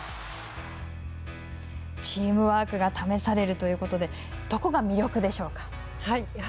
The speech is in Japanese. チームワークが試されるということでどこが魅力でしょうか。